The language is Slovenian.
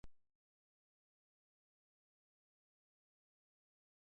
Čistost je lepa čednost.